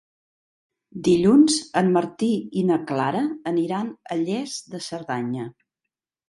Dilluns en Martí i na Clara aniran a Lles de Cerdanya.